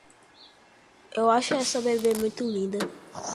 Eu acho essa bebê muito linda!